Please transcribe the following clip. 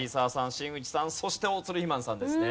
新内さんそして大鶴肥満さんですね。